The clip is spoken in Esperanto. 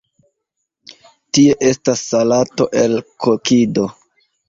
Tie estas salato el kokido.